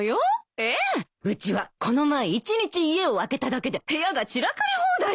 ええうちはこの前１日家を空けただけで部屋が散らかり放題よ。